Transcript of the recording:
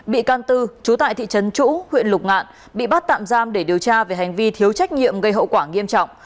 bị can tư trú tại thị trấn chủ huyện lục ngạn bị bắt tạm giam để điều tra về hành vi thiếu trách nhiệm gây hậu quả nghiêm trọng